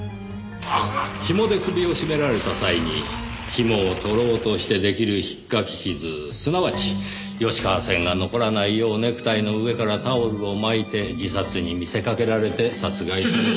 ひもで首を絞められた際にひもを取ろうとして出来る引っかき傷すなわち吉川線が残らないようネクタイの上からタオルを巻いて自殺に見せかけられて殺害された。